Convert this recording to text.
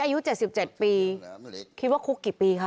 อายุเจ็ดสิบเจ็ดเพีย์คิดว่าคุกกี่ปีคะ